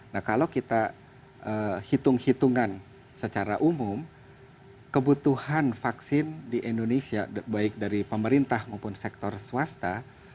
nah kalau kita hitung hitungan secara umum kebutuhan vaksin di indonesia baik dari pemerintah maupun sektor swasta